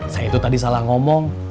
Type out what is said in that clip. saya itu tadi salah ngomong